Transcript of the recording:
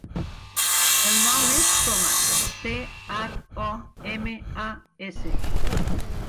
El nom és Thomas: te, hac, o, ema, a, essa.